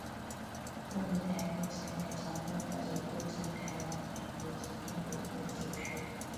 温妮台风挟带强风豪雨过境台湾北部及东北部地区。